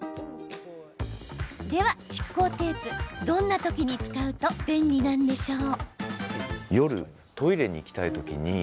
では、蓄光テープ、どんな時に使うと便利なんでしょう？